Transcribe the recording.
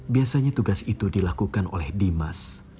biasanya tugas itu dilakukan oleh dimas